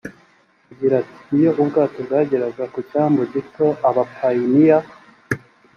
agira ati iyo ubwato bwageraga ku cyambu gito abapayiniya